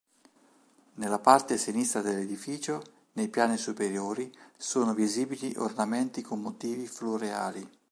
Nella parte sinistra dell'edificio, nei piani superiori sono visibili ornamenti con motivi floreali.